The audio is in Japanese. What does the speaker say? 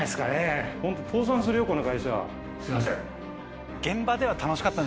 すいません。